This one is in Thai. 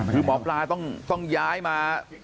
คือหมอปลาต้องย้ายมา